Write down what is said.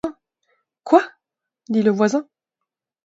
Quoi ? dit le voisin.